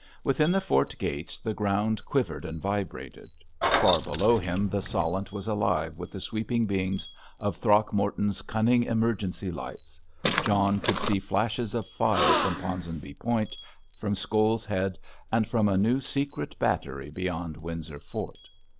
Within the fort gates the ground quivered and vibrated. Far below him the Solent was alive with the sweeping beams of Throgmorton's cunning emergency lights. John could see flashes of fire from Ponsonby Point, from Scoles Head, and from a new secret battery beyond Windsor Fort.